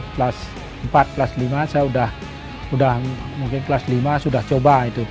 kelas empat kelas lima saya sudah mungkin kelas lima sudah coba itu